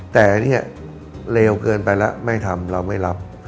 แต่เนี่ยเลวเกินไปแล้วไม่ทำเราไม่รับ